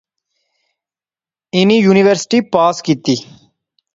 انی یونیورسٹی پاس کیتی